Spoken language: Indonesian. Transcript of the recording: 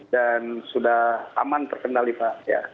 dan sudah aman terkendali pak